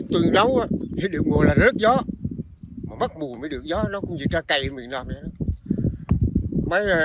từ nấu thì được muối là rớt gió mà bắt buồn mới được gió nó cũng như trà cày ở miền nam vậy đó